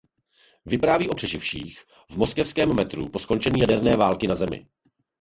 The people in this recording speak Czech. Vypráví o přeživších v moskevském metru po skončení jaderné války na Zemi.